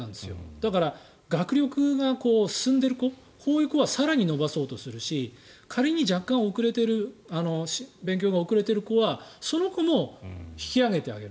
だから、学力が進んでいる子こういう子は更に伸ばそうとするし仮に若干勉強が遅れてる子はその子も引き上げてあげる。